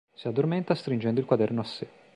Si addormenta stringendo il quaderno a sè.